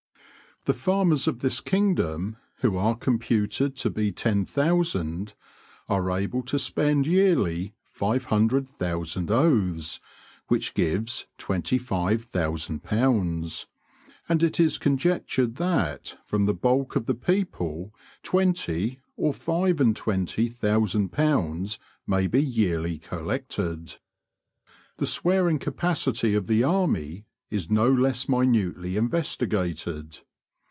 "The farmers of this kingdom, who are computed to be ten thousand, are able to spend yearly five hundred thousand oaths, which gives £25,000; and it is conjectured that from the bulk of the people twenty or five and twenty thousand pounds may be yearly collected." The swearing capacity of the army is no less minutely investigated.